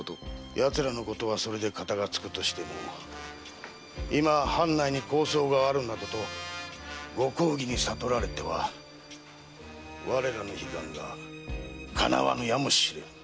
奴らのことはそれで片がつくとしても今藩内に抗争があるなどとご公儀に悟られては我らの悲願が叶わぬやもしれぬ。